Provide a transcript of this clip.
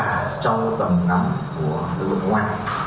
trong tầm năm của lực lượng công an